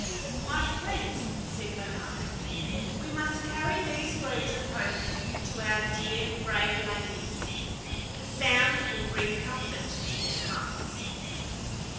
"My friends," said Glenarvan, "we must carry these words of hope to our dear, brave ladies. The sound will bring comfort to their hearts."